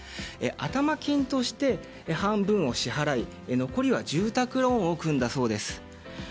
頭金として半分を支払い残りは住宅ローンを組んだそうです。